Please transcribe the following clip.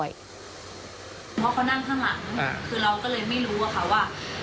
เพราะเขานั่งข้างหลังเราก็เลยไม่รู้ว่า